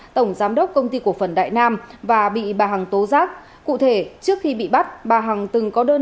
tổng giám đốc công ty cổ phần đại nam và bị bà hằng tố giác cụ thể trước khi bị bắt bà hằng từng có đơn